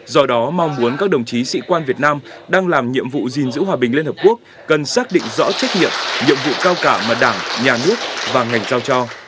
do đó mong muốn các đồng chí sĩ quan việt nam đang làm nhiệm vụ gìn giữ hòa bình liên hợp quốc cần xác định rõ trách nhiệm nhiệm vụ cao cả mà đảng nhà nước và ngành trao cho